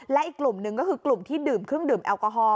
และอีกกลุ่มหนึ่งก็คือกลุ่มที่ดื่มเครื่องดื่มแอลกอฮอล